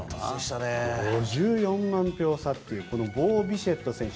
５４万票差というこのボー・ビシェット選手